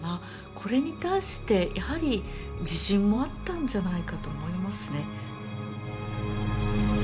これに対してやはり自信もあったんじゃないかと思いますね。